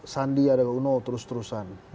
sandi ada uno terus terusan